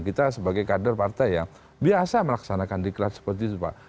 kita sebagai kader partai yang biasa melaksanakan diklat seperti itu pak